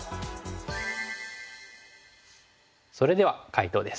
それでは解答です。